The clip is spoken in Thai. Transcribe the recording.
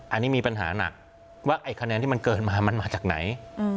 อันนี้มีปัญหาหนักว่าไอ้คะแนนที่มันเกินมามันมาจากไหน